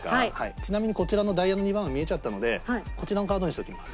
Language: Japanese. ちなみにこちらのダイヤの２番は見えちゃったのでこちらのカードにしておきます。